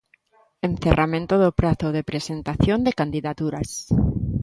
Encerramento do prazo de presentación de candidaturas.